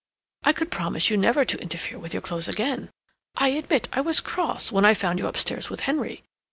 I could promise you never to interfere with your clothes again. I admit I was cross when I found you upstairs with Henry.